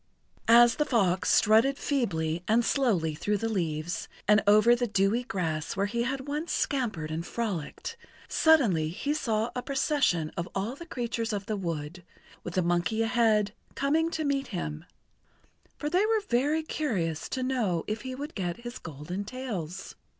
As the fox strutted feebly and slowly through the leaves and over the dewy grass where he had once scampered and frolicked, suddenly he saw a procession of all the creatures of the wood, with the monkey ahead, coming to meet him, for they were very curious to know if he would get his golden tails.